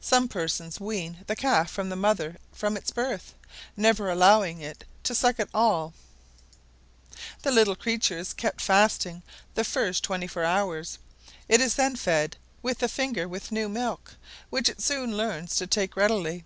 Some persons wean the calf from the mother from its birth, never allowing it to suck at all: the little creature is kept fasting the first twenty four hours; it is then fed with the finger with new milk, which it soon learns to take readily.